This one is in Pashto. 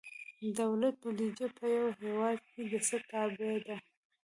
دولت بودیجه په یو هیواد کې د څه تابع ده؟